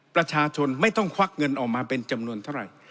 ประชาชนไม่ต้องควักเงินออกมาเป็นจำนวนเท่าไหร่